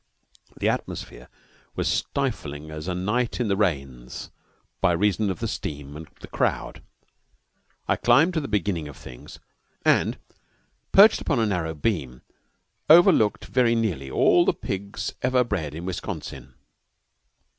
The atmosphere was stifling as a night in the rains by reason of the steam and the crowd. I climbed to the beginning of things and, perched upon a narrow beam, overlooked very nearly all the pigs ever bred in Wisconsin.